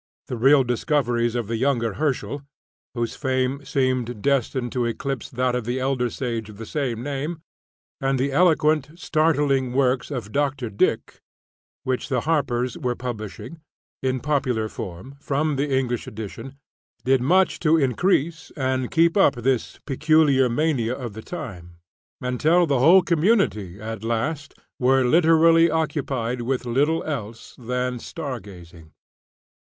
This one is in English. The real discoveries of the younger Herschel, whose fame seemed destined to eclipse that of the elder sage of the same name, and the eloquent startling works of Dr. Dick, which the Harpers were republishing, in popular form, from the English edition, did much to increase and keep up this peculiar mania of the time, until the whole community at last were literally occupied with but little else than "star gazing."